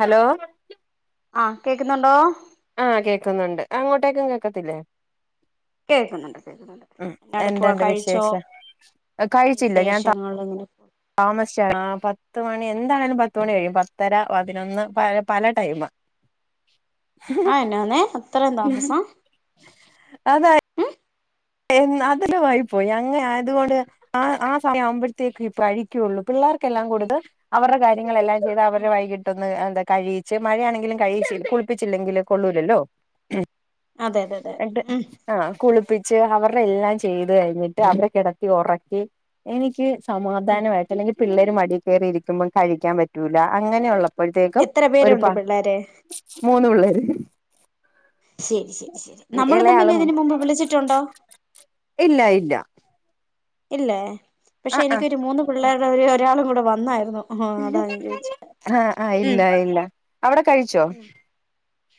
Hello ആഹ് കേക്കുന്നുണ്ടോ ആഹ് കേക്കുന്നുണ്ട് അങ്ങോട്ടേക്കും കേക്കത്തില്ലേ കേൾക്കുന്നുണ്ട് കേൾക്കുന്നുണ്ട് ഉം എന്നാ എടുക്കുവാ എന്തണ്ട് കഴിച്ചോ വിശേഷം കഴിച്ചില്ല ഞാൻ താ വിശേഷങ്ങൾ ഇങ്ങനെ താമസിച്ചാണ് പത്ത് മണി എന്താണേങ്കിലും പത്ത് മണി കഴിയും പത്തര പതിനൊന്ന് പല പല ടൈമാ ആഹ് എന്നാന്നേ അത്രയും താമസം അതാ ഉം യെന്ന് അതില് വായി പോയി അങ്ങെനെ അതുകൊണ്ട് ആഹ് ആഹ് സമയം ആവുമ്പോഴത്തേക്കും ഇപ്പ അഴിക്കുള്ളൂ പിള്ളേർക്കെല്ലാം കൊടുത്ത് അവരടെ കാര്യങ്ങളെല്ലാം ചെയ്ത് ഉം അവരെ വൈയ്കിട്ടൊന്ന് എന്താ കഴികിച്ച് മഴയാണെങ്കിലും കഴികിച്ചി കുളിപ്പിച്ചില്ലെങ്കില് കൊള്ളൂലല്ലോ എ് അതെ അതെ അതെ എന്ട്ട് ഉം ആഹ് കുളിപ്പി ച്ച് അവരടെ എല്ലാം ചെയ്ത് കഴിഞ്ഞിട്ട് അവരെ കെടക്കി ഒറക്കി എനിക്ക് ഉം സമാധാനവായിട്ട് അല്ലെങ്കിൽ പിള്ളേര് മടീ കേറി ഇരിക്കുമ്പോ കഴിക്കാൻ പറ്റൂല അങ്ങനൊള്ള പ്പോത്തേക്കും എത്ര ഒരു പേരുണ്ട് പ പിള്ളേര് മൂന്ന് പിള്ളേര് ശരി ശരി ശരി നമ്മള് തമ്മില് ഇളയാളും ഇതിന് മുമ്പ് വിളിച്ചിട്ടുണ്ടോ ഇല്ല ഇല്ല ഇല്ലേ പക്ഷെ ആഹ് ആഹ് എനിക്കൊരു മൂന്ന് പിള്ളേരുടെ ര്യം ഒരാളും കൂടെ വന്നായിരുന്നു ആഹ് അതാ ഞാൻ ചോദിച്ചെ ആഹ് ആഹ് ഉം ഇല്ല ഇല്ല അവടെ കഴിച്ചോ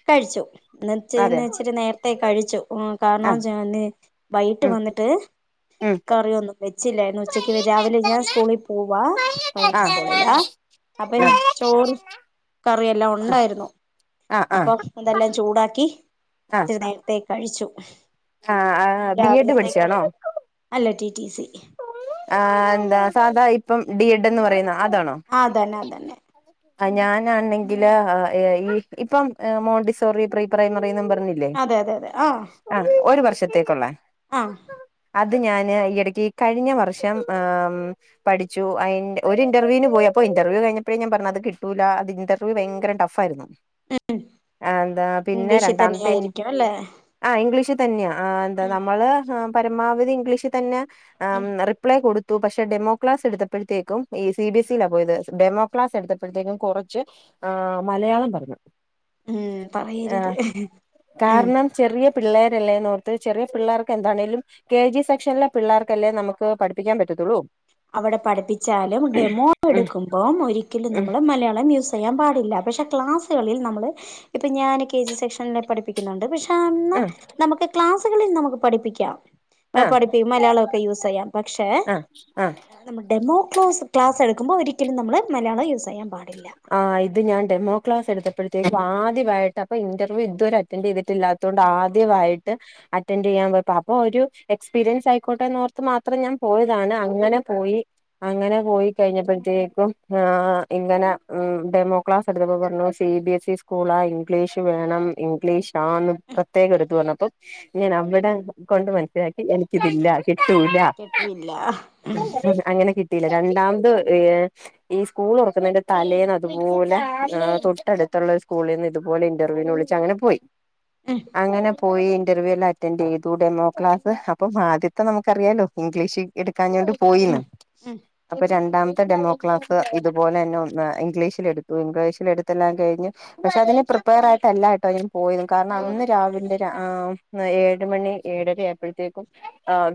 കഴിച്ചു ന്ന്ച്ച് അതെ ഇന്നിച്ചിരി നേരത്തെ കഴിച്ചു ഉം കാരണം ആഹ് ച്ചാന്ന് വൈയിട്ട് ഉം വന്നിട്ട് ഉം കറി ഒന്നും വെച്ചില്ലായിന്നു ഉച്ചക്ക് വെ രാവിലെ ഞാൻ സ്കൂളിൽ പോവാ പ്രൈവറ്റ് ആഹ് സ്കൂളിലാ അപ്പൊ ഞാ ചോറ് കറി എല്ലാം ഉണ്ടായിരുന്നു ആഹ് അപ്പൊ ഇതെല്ലാം ചൂടാക്കി ആഹ് ഇത്തിരി നേരത്തേ കഴിച്ചു ആഹ് നീ ആഹ് ബി എ ഡ് രാവിലത്തേക്ക് പഠിച്ചാണോ അല്ല ടി ടി സി ആഹ് എന്താ സാധാ ഇപ്പം ഡി എഡ് എന്ന് പറയുന്ന അതാണോ ആ അതന്നെ അതന്നെ [unintelligible] ആ ഞാനാണെങ്കില് ഈ ഇപ്പം മോണ്ടിസോറി പ്രീ പ്രൈമറിന്നും പറഞ്ഞില്ലേ അതെ അതെ അതെ ആ ആഹ് ഒരു വർഷത്തേക്കുള്ള ആഹാ അത് ഞാന് ഈയിടക്ക് കഴിഞ്ഞ വർഷം ആഹാ പഠിച്ചു അയിന്റെ ഒരു ഇന്റർവ്യൂന് പോയി അപ്പോ ഇന്റർവ്യൂ കഴിഞ്ഞപ്പോഴേ ഞാൻ പറഞ്ഞു അത് കിട്ടൂല അതിന്റെ ഇന്റർവ്യൂ ഭയങ്കര ടഫ് ആയിരുന്നു ആഹാ എന്താ പിന്നെ ഇംഗ്ലീഷിൽ തന്നെ രണ്ടാമത്തെ ആയിരിക്കും അല്ലെ ആഹാ ഇംഗ്ലീഷ് തന്നെയാ ആഹാ എന്താ ഉം നമ്മള് പരമാവധി ഇംഗ്ലീഷ് തന്നെ ആഹം ഉം റിപ്ലൈ കൊടു എടുത്തു പക്ഷെ ഡെമോ ക്ലാസ് എടുത്തപ്പഴത്തേക്കും ഈ സി ബി എസ്ഇയിലാ പോയത് ഡെമോ ക്ലാസ് എടുത്തപ്പഴത്തേക്കും കുറച്ച് ആഹാ മലയാളം പറഞ്ഞു ഉം ഏഹ് പറയരുത് ഉം കാരണം ചെറിയ പിള്ളേരല്ലേനോർത്ത് ചെറിയ പിള്ളേർക്ക് എന്താണേലും കെ ജി സെക്ഷനിലെ പിള്ളേർക്ക് ല്ലേ നമുക്ക് പഠിപ്പിക്കാൻ പറ്റത്തുള്ളൂ അവിടെ പഠിപ്പിച്ചാലും ഡെമോ ഉം എടുക്കുമ്പോം ഒരിക്കലും നമ്മള് മലയാള യൂസ് ചെയ്യാൻ പാടില്ല പക്ഷെ ക്ലാസ്സ്‌കളിൽ നമ്മള് ഇപ്പം ഞാൻ കെ ജി സെക്ഷനിൽ പഠിപ്പി ക്കുന്നുണ്ട് പക്ഷെ എന്നാ ഉം നമുക്ക് ക്ലാസ്സുകളിൽ നമുക്ക് പഠിപ്പിക്കാം ആഹ് ആഹാ ആഹ് പഠിപ്പിക്കും മലയാളൊക്കെ യൂസ് ചെയ്യാം പക്ഷെ ആഹാ നമ്മൾ ഡെമോക്ലാസ് ക്ലാസ്സ്‌ എടുക്കുമ്പോ ഒരിക്കലും നമ്മൾ മലയാളം യൂസ് ചെയ്യാൻ പാടില്ല ആഹ് ഇത് ഞാൻ ഡെമോക്ലാസ് എടുത്തപ്പഴത്തേക്കും ആദ്യവായിട്ട് അപ്പൊ ഇന്റർവ്യൂ ഇതുവരെ അറ്റൻഡ് ചെയ്തിട്ടില്ലാ തൊണ്ട് ആ അതാ ആദ്യവായിട്ട് അറ്റൻഡ് ചെയ്യാൻ പോയി അപ്പോ ഒരു എക്സ്പീരിയൻസ് ആയിക്കോട്ടെ [unintelligible] മാത്രം ഞാൻ പോയതാണ് ഉം അങ്ങനെ പോയി അങ്ങനെ പോയി കഴിഞ്ഞപ്പഴത്തേക്കും ആഹാ ഇങ്ങനെ ആഹ് ഡെമോ ക്ലാസ്സ് എടുത്തപ്പോ പറഞ്ഞു സി ബി എസ് ഇ സ്കൂള ആ ഇംഗ്ലീഷ് വേണം ഉം ഇംഗ്ലീഷാന്ന് ഉം പ്രേത്യേകം എടുത്ത് പറഞ്ഞു അപ്പം ഞാൻ അവിടെ കൊണ്ട് മനസ്സിലാക്കി എനിക്കിതില്ലാന്ന് കിട്ടൂല്ലാ കേട്ടുമില്ല ഉം അങ്ങനെ കിട്ടിയില്ല രണ്ടാമത് ഈ സ്കൂൾ തുറക്കുന്നതിന്റെ തലേന്ന് അതുപോലെ തൊട്ടടുത്തുള്ള ഒരു സ്കൂളിന്ന് ഇതുപോലെ ഇന്റർവ്യൂന് വിളിച്ച് അങ്ങനെ പോയി ഉം അങ്ങനെ പോയി ഇന്റർവ്യൂ എല്ലാം അറ്റൻഡ് ചെയ്തു ഡെമോ ക്ലാസ്സ് അപ്പം ആദ്യത്തെ നമുക്കറിയാലോ ഇംഗ്ലീഷിൽ പോ എടുക്കാഞ്ഞോണ്ട് ഉം പോയിന്ന് ഉം അപ്പൊ രണ്ടാമത്തെ ഡെമോ ക്ലാസ്സ് ഇതുപോലെ തന്നെ ഒന്ന ഇംഗ്ലീഷിലടുത്തു ഇംഗ്ലീഷിലെടുത്തെല്ലാം കഴിഞ്ഞ് പക്ഷെ അതിന് പ്രിപ്പയർ ആയിട്ടല്ലാട്ടോ ഞാൻ പോയത് കാരണം അന്ന് പോയത് രാവിലെ ആഹാ ഏഴ് മണി ഏഴര ആയപ്പഴത്തേക്കും ആഹാ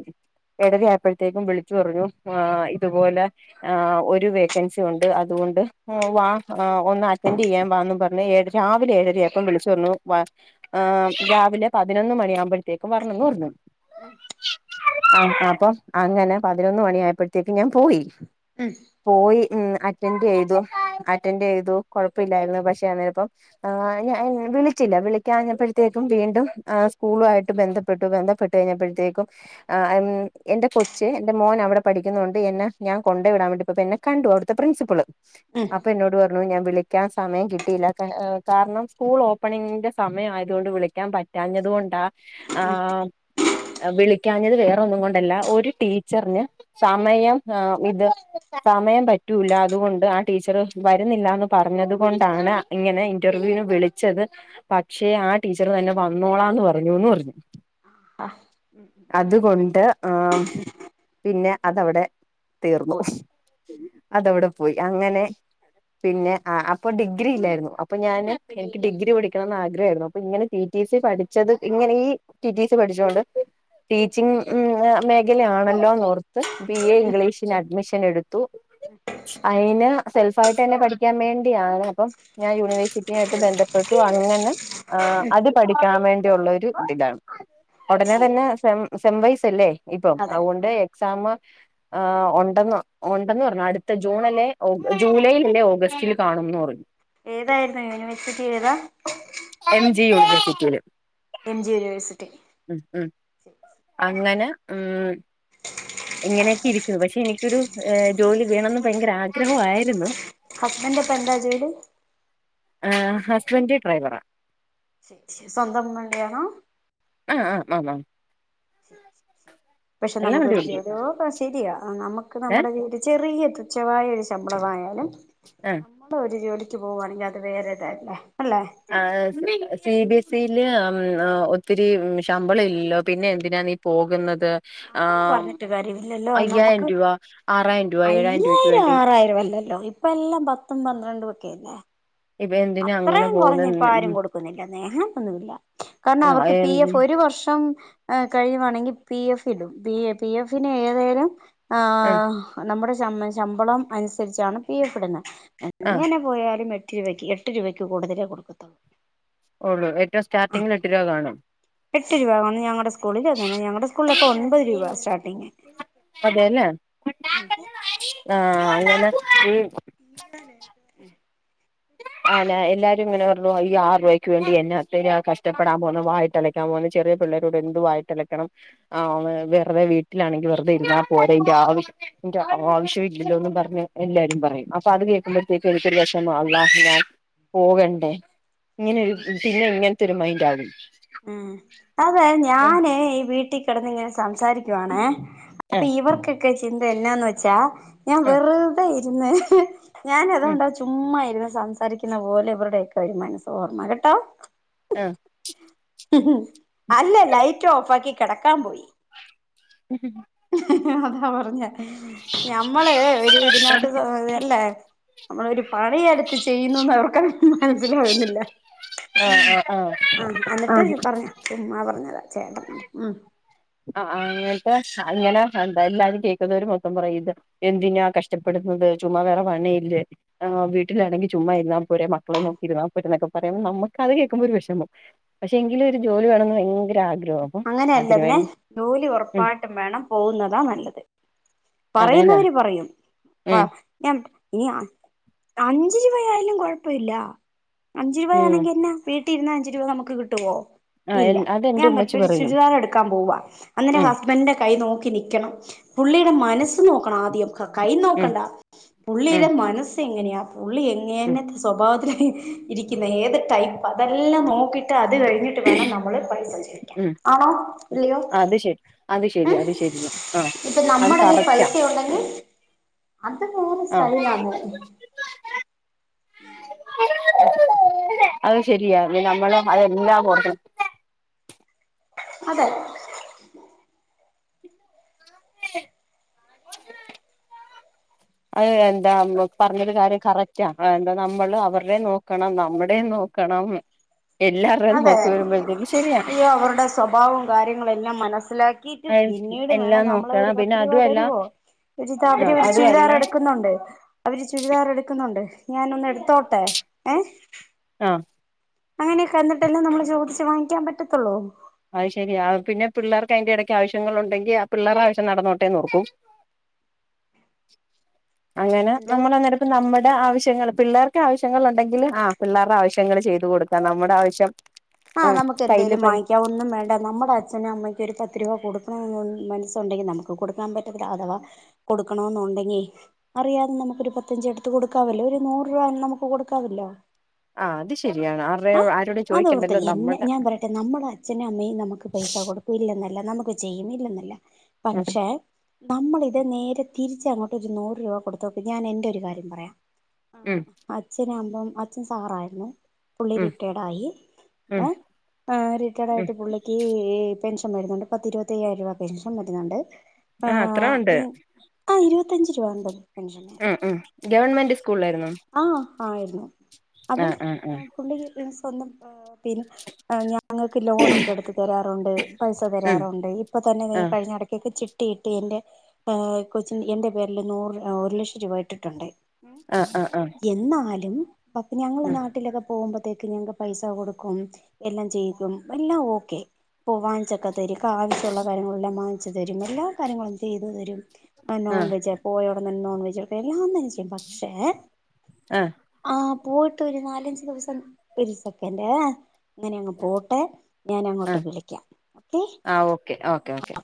ഏഴര ആയപ്പഴത്തേക്കും വിളിച്ചു പറഞ്ഞു ആഹാ ഇതുപോലെ ആഹ് ഒരു വേക്കൻസി ഉണ്ട് അതുകൊണ്ട് ആ വാ ആ ഒന്ന് അറ്റൻഡ് ചെയ്യാൻ വാന്ന് പറഞ്ഞു ഏഴര രാവിലെ ഏഴരയപ്പം വിളിച്ചു പറഞ്ഞു വാ ആഹ് രാവിലെ പതിനൊന്ന് മണിയാവുമ്പഴത്തേക്കും വരണംന്ന് പറഞ്ഞു ഉം ആ അപ്പൊ അങ്ങനെ പതിനൊന്ന് മണി ആയപ്പഴത്തേക്കും ഞാൻ പോയി ഉം പോയി ഉം അറ്റൻഡ് ചെയ്തു അറ്റൻഡ് ചെയ്തു കൊഴപ്പില്ലായിരുന്നു പക്ഷെ അന്നനിപ്പം ആഹ് ഞാൻ വിളിച്ചില്ല വിളിക്കാഞ്ഞപ്പഴത്തേക്കും വീണ്ടും സ്കൂളു ആയിട്ട് ബന്ധപ്പെട്ടു ബന്ധപ്പെട്ട് കഴിഞ്ഞപ്പഴത്തേക്കും ആഹ് എൻ എന്റെ കൊച്ച് എന്റെ മോൻ അവിടെ പഠിക്കുന്ന കൊണ്ട് എന്നെ ഞാൻ കൊണ്ട് വിടാൻ വേണ്ടി പോയപ്പോ എന്നെ കണ്ടു അവിടുത്തെ പ്രിൻസിപ്പള് ഉം അപ്പൊ എന്നോട് പറഞ്ഞു ഞാൻ വിളാക്കാൻ സമയം കിട്ടിയില്ല കാരണം സ്കൂൾ ഓപ്പണിങ്ങിന്റെ സമയം ആയതുകൊണ്ട് വിളിക്കാൻ പറ്റാ ഞ്ഞതുകൊണ്ടാ ആഹാ വിളിക്കാഞ്ഞത് വേറെ ഒന്നും കൊണ്ടല്ല ഒരു ടീച്ചറിന് സമയം ആഹ് ഇത് സമയം പറ്റൂല്ല അതുകൊണ്ട് ടീച്ചറ് വരുന്നില്ല എന്ന് പറഞ്ഞത് കൊണ്ടാണ് ഇങ്ങനെ ഇന്റർവ്യൂവിന് വിളിച്ചത് പക്ഷേ ആ ടീച്ചറ് തന്നെ വന്നോളാന്ന് പറഞ്ഞൂന്ന് പറഞ്ഞു ആഹ് ഉം ഉം അതുകൊണ്ട് ആഹ് പിന്നെ അതവിടെ തീർന്നു പോയി അതവിടെ പോയി അങ്ങനെ പിന്നെ ആഹ് അപ്പൊ ഡിഗ്രി ഇല്ലായിരുന്നു അപ്പൊ ഞാൻ എനിക്ക് ഡിഗ്രി പഠിക്കണന്ന് ആഗ്രഹായിരുന്നു അപ്പൊ ഇങ്ങനെ ടി റ്റി സി പഠിച്ചത് ഇങ്ങനെ ഈ ടി റ്റി സി പഠിച്ചോണ്ട് ടീച്ചിങ് ഉം മേഖല ആണല്ലോന്നോർ [unintelligible] ബി എ ഇംഗ്ലീഷന് അഡ്മിഷൻ എടുത്തു അയിന് സെൽഫ് ആയിട്ട് തന്നെ പഠിക്കാൻ വേണ്ടിയാണ് അപ്പം ഞാൻ യൂണിവേഴ്സിറ്റി ആയിട്ട് ബന്ധപ്പെട്ട് അങ്ങനെ ആഹ് അത് പഠിക്കാൻ വേണ്ടിയുള്ള ഒരു ഇതാണ് ഒടനെ ശരി തന്നെ സെമ് സെം വൈസ്സല്ലേ ഇപ്പം അതെ അതുകൊണ്ട് അതെ എ എക്സാമ് ഏഹ് ഒണ്ടെന്ന് ഒണ്ടെന്ന് പറഞ്ഞു അടുത്ത ജൂണിലെ ഓ ജൂലൈൽ അല്ലേ ഓഗസ്റ്റിൽ കാണുന്ന് പറഞ്ഞു ഏതായിരുന്നു യൂണിവേഴ്‌സ്റ്റി ഏതാ? എം ജി യൂണിവേഴ്സിറ്റിയില് എം ജി യൂണിവേഴ്സിറ്റി ഉ ഉം അങ്ങനെ ഉം ഇങ്ങനെയൊക്കെ ഇരിക്കുന്നു പക്ഷെ എനിക്കൊരു ഏഹ് ജോലി വേണെന്ന് ഭയങ്കര ആഗ്രഹമായിരുന്നു ഹസ്ബൻഡ് അപ്പ എന്താ ജോലി? ഏഫ് ഹസ്ബൻഡ് ഡ്രൈവറാ ശരി ശരി സ്വന്തം വണ്ടി ആണോ? ആഹ് ആഹ് [unintelligible] പക്ഷെ എല്ലാം വണ്ടി നമ്മുക്കൊരു ഓടിക്കും ജോലിയോ ശരിയാ ആഹ് നമ്മക്ക് നമ്മടെ [unintelligible] ചെറിയ തുച്ഛമായാ ഒരു ശമ്പളമായാലും ആഹ് ഇപ്പോ ഒരു ജോലിക്ക് പോകുകവാണെങ്കി അത് വേറെ ഇതല്ലേ അല്ലെ ആഹ് സി ബി എസ് ഈല് അം അ ഒത്തിരി ശമ്പളം ഇല്ലല്ലോ പിന്നെ എന്തിനാ നീ പോകുന്നത് ആ അങ്ങനെ പറഞ്ഞിട്ട് കാര്യമില്ലല്ലോ അയ്യായിരം നമ്മക്ക് രൂപ ആറായിരം രൂപ ഏഴായിരം രൂപയ്ക്ക് അയ്യായിരം വേണ്ടി ആറായിരോ അല്ലല്ലോ ഇപ്പ് ഇപ്പ എല്ലാം പത്തും പന്ത്രണ്ടും ഒക്കെയല്ലേ ഇപ്പ എന്തിനാ അങ്ങനെ അത്രയും കൊറഞ്ഞ് ഇപ്പ ആരും പോകുന്ന കൊടുക്കുന്നില്ല [unintelligible] ഇല്ല കാരണം അവർക്ക് പി എഫ് ഒരു വർഷം ഏഹ് കഴിയുവാണെങ്കി പി എഫ് ഇടും പി എഫിന് ഏതേലും ആ ആഹ് ആഹ് നമ്മടെ ശം ശമ്പളം അനുസരിച്ചാണ് വി എഫ് ഇടുന്നെ ആ എങ്ങനെ പോയാലും എട്ടിരൂപയ്ക്ക് എ എട്ട് രൂപയ്ക്ക് കൂടുതലേ കൊടുക്കത്തുള്ളൂ ഒള്ളൂ ഏറ്റവും ആഹ് സ്റ്റാർട്ടിങ്ങിൽ എട്ട് രൂപ കാണും എട്ട് രൂപ കാ ഞങ്ങടെ സ്കൂളിലു അങ്ങനാ ഞങ്ങടെ സ്കൂളിലൊക്കെ ഒപത് രൂപാ സ്റ്റാർട്ടിങ്ങ് അതെല്ലേ ആഹ് അങ്ങനെ ഈ ഉം ആന്നാ എല്ലാരു ഇങ്ങനെ പറഞ്ഞു ഈ ആറ് റൂപയ്ക്ക് വേണ്ടി എന്നാ [unintelligible] കഷ്ടപ്പെടാൻ പോകുന്നു വായിട്ടല ക്കാൻ പോകുന്നെ ചെറിയ പിള്ളേരോട് എന്ത് വായിട്ട്ലയ്ക്കണം ആഹ് വെറുതെ വീട്ടിലാണെങ്കി വെറുതെ ഇരിന്നാ പോരെ ഈന്റെ ആവശ്യം ൻ്റെ ആവശ്യ ഇല്ലല്ലോന്നും പറഞ്ഞ് എല്ലാരും പറയും അപ്പൊ അത് കേക്കുമ്പഴത്തേക്ക് എനിക്ക് ഒരു വെഷമാവും ലാസ്റ്റ് ഞാൻ പോകണ്ടേ ഇങ്ങനൊരു ഉം പിന്നെ ഇങ്ങനത്തെ ഒരു മൈൻഡാകും ഉം അതെ ഞാനെ ഈ വീട്ടി കെടന്ന് ഇങ്ങനെ സംസാരിക്കുവാണേ അപ്പൊ ആഹ് ഇവർക്കൊക്കെ ചിന്ത എന്നാന്ന് വെച്ചാ ഞാൻ ആഹ് വെറുതെ ഇരുന്ന് ഉം ഞാനതുകൊണ്ടാ ചുമ്മായിരുന്നു സംസാരിക്കുന്ന പോലെ ഇവരുടെയൊക്കെ ഒരു മനസ്സ് ഓർമ്മ കേട്ടോ ആഹ് ഉ ഹു അല്ല ലൈറ്റോഫാക്കി കെടക്കാപോയി [inaudible] ഹ് ഹ് ഹ് അതാ പറഞ്ഞ ഞമ്മള് ഒരു ഇതിനാത്ത് [inaudible] അല്ലേ നമ്മളൊരു പണിയെടുത്ത് ചെയ്യുന്നൂന്ന് അവർക്ക [unintelligible] മനസ്സിലാവുന്നില്ല ആഹ് ആഹ് ആഹ് ആ പറഞ്ഞ ചുമ്മാപറഞ്ഞതാ ചേട്ടനോണ്ട് ഉം ആ അങ്ങട്ട് അങ്ങന അ എന്ത എല്ലാരും കേക്കുന്നോര് മൊത്തം പറയും ഇത് എന്തിനാ കഷ്ടപ്പെടുന്നത് ചുമ്മ വേറെ പണിയില്ലേ ആ വീട്ടിലാണെങ്കി ചുമ്മ ഇരുന്ന പോരെ മക്കളെ നോക്കി ഇരുന്നാ പോരന്നോക്കെ പറയ്മ്പോ നമുക്കത് കേൾക്കുമ്പോ ഒരു വിഷമം പക്ഷെ എങ്കിലൊരു ജോലി വേണെന്ന് ഭയങ്കര ആഗ്രഹ അപ്പോം അതിന് അങ്ങനെയല്ലെന്നേ വേണ്ടി ജോലി ഉം ഒറപ്പായിട്ടും വേണം പോകുന്നതാ നല്ലത് അതെല്ലേ പറയുന്നവര് പറയും ആ ഉം [unintelligible] ഇനി അ അഞ്ച് രൂപയായാലും കൊഴപ്പവില്ല അഞ്ച് ഉം രൂപയാണെങ്കി എന്നാ വീട്ടി ഇരുന്ന അഞ്ച്‌ രൂപ നമുക്ക് കിട്ടുവോ? ആ എൻ ഇല്ല അതെന്റ ഞാൻ ഉമ്മച്ച പറ്റ ഒരു ചുരിദാറെടുക്കാം പോവ്വ അന്നരം ഹ സ്ബന്റെ കൈ നോക്കി നിക്കണം പുള്ളിയുടെ മനസ്സ് നോക്കണം ആദ്യം ക കൈ ഉം നോക്കണ്ട ഉം പുള്ളിയുടെ മനസ്സെങ്ങനെയാ പുള്ളി ഉം എങ്ങെനത്ത സ്വഭാവത്തില് ഹി ഇരിക്കുന്ന ഏത് ടൈപ്പ അതെല്ലാം നോക്കി ട്ടത് കഴിഞ്ഞിട്ട് വേണം നമ്മള് പൈസ ചോയിക്കാൻ ഉം ആണോ ഇല്ലിയോ അത് ശരി അത് ശരി ഉം അത് ശരിയാ ആ ഇപ്പൊ അത് നമ്മട കൈ കറക്റ്റാ പൈസയോ ണ്ടങ്കി അത് വേറെ ആ സ്റ്റൈലാണ്. അത് ശരിയാ നമ്മള് അതെല്ലാം പൊറുക്കണം അതെ [inaudible] അത് എന്താ പറഞ്ഞെലൊരു കാര്യം കറക്റ്റാ അ എന്താ നമ്മള് അവർടെ നോ ക്കണം നമ്മുടെ നോക്കണം [unintelligible] വരുമ്പോ ഈ ഈ അവർടെ സ്വഭാവോം കാര്യങ്ങളെല്ലാം മനസ്സിലാക്കീട്ട് പിന്നീട് വേ എല്ലാം ണം നമ്മള് നോക്കണം ഒരു പിന്നെ പത്ത് രൂപ അതുമല്ല തരുവോ താ ദ ആ അവരു ഒരു അതുമല്ല ചുരിദാർ എടുക്കു ന്നൊണ്ട് അവര് ചുരിദാർ എടുക്കുന്നുണ്ട് ഞാനൊന്ന് എടുത്തോട്ടെ ഏഹ ആ അങ്ങനൊക്കെ കഴിഞ്ഞെട്ടെല്ലാം നമ്മള് ചോദിച്ച് വാങ്ങിക്കാൻ പറ്റത്തോള്ളൂ അയ്ശരിയാ അ പിന്നെ പിള്ളാർക്കയിന്റെ ഇടക്ക് ആവശ്യങ്ങള് ഒണ്ടെങ്കി ആ പിള്ളാറ ആവശ്യം നടന്നോട്ടെന്ന് ഓർക്കും അങ്ങന എന്തോ നമ്മളന്നരം ഇപ്പ നമ്മട ആവശ്യങ്ങൾ പിള്ളേർക്ക് ആവശ്യങ്ങളൊണ്ടെങ്കില് ആ പിള്ളാർടെ ആവശ്യങ്ങള് ചെയ്തു കൊടുക്കാം നമ്മുടെ ആവശ്യം ആഹ് ഉം കയ്യില് നമുക്കെന്തെലും പൈ വാങ്ങിക്കാവോന്നും വേണ്ട നമ്മടെ അച്ഛനു അമ്മയ്ക്കൊരു പത്ത് രൂപ കൊടുക്കണോന്നു മനസ്സോണ്ടെങ്കി നമുക്ക് കൊടുക്കാം പറ്റത്തില്ല അഥവാ കൊടുക്കണോന്നോണ്ടെങ്കി അറിയാതെ നമുക്കൊരു പത്തഞ്ച്‌ എടുത്ത് കൊടുക്കാവല്ലോ ഒരു നൂറ് രൂപ നമുക്ക് കൊടുക്കാവല്ലോ ആ അത് ശരിയാണ് [inaudible] അതോർത്ത ചോദിക്കണ്ടല്ലോ ഈ എന്നെ നമ്മുടെ ഞാൻ പറയട്ടെ നമ്മുട അച്ഛനു അമ്മയും നമുക്ക് പൈസ കൊടു ഇല്ലെന്നല്ല നമുക്ക് ചെയ്യുന്നില്ലന്നല്ല ഉം പക്ഷെ നമ്മളിത് നേരെ തിരിച്ചങ്ങോട്ടോരു നൂറ് രൂപ കൊടുത്തോക്ക് ഞാനെന്റെ ഒരു കാര്യം പറയാം ഉം അച്ഛനാമ്പം അച്ഛൻ സാറായിരുന്നു പുള്ളി ഉം റിട്ടെഡായി ഉം ഏ അ ഉം റിട്ടേർഡായിട്ട് പുള്ളി ക്ക് ഈ പെൻഷം വരുന്നുണ്ട് പത്ത് ഇരുപത്തയ്യായിരം രൂപ പെൻഷം വരുന്നുണ്ട് ആ അത്ര ഉണ്ട് ആ ഇരുപത്തഞ്ച് രൂപ ഒണ്ടോ പെൻഷന് ഉം ഉം ഗവൺമെന്റ് സ്കൂള് യിരുന്നു ആഹ് ആയിരുന്നു അപ്പം ആഹ് ആഹ് പുള്ളി സ്വന്തം പേരും പിന്നെ ഞാ ഞങ്ങൾക്ക് ലോണൊക്കെ എടുത്ത് തരാറുണ്ട് പൈസ ഉം തരാറുണ്ട് ഇപ്പൊ തന്നെ കഴിഞ്ഞ ഇടക്കൊക്കെ ചി ട്ടി! ട്ടി. ട്ടിയെന്റെ അഹ് കൊച്ചിൻ എന്റെ പേരിൽ നൂറ് ഒരു ലക്ഷം രൂപ ഇട്ടിട്ടുണ്ട് ഉം ആഹ് ആഹ് ആഹ് എന്നാലും അപ്പ ഞങ്ങള് നാട്ടിലൊക്കെ പോവുമ്പത്തേക്ക് ഞങ്ങക് പൈസ കൊടുക്കും എല്ലാം ചെയ്കും എല്ലാം ഓക്കെ, ഇപ്പോ വാങ്ങിച്ചക്ക തര്യോക്ക് ആവശ്യമുള്ള കാര്യങ്ങളെല്ലാം വാങ്ങിച്ച് തരും എല്ലാ കാര്യങ്ങളും ചെയ്തു തരും നോൺ വെജ് പോയോടൻ തന്നെ നോൺവെജ് പെരീന്നും നോൺബെജാ പക്ഷെ, ആഹ് ആഹ് പോയിട്ട് ഒരു നാലഞ്ച് ദിവസം ഒരു സെക്കന്റ് ഏ അങ്ങനെയങ്ങ് പോട്ടെ ഞാനങ്ങോട്ട് വിളിക്കാം ഓക്കേ ക്കെ ഓക്കെ ഓക്കെ